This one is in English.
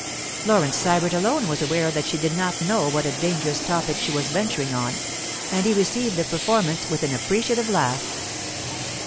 Laurence Sybert alone was aware that she did not know what a dangerous topic she was venturing on, and he received the performance with an appreciative laugh.